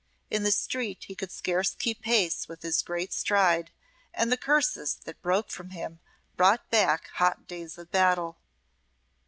In the street he could scarce keep pace with his great stride, and the curses that broke from him brought back hot days of battle.